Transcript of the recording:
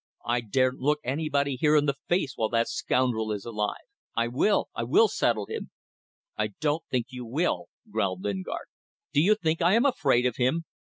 I daren't look anybody here in the face while that scoundrel is alive. I will ... I will settle him." "I don't think you will," growled Lingard. "Do you think I am afraid of him?"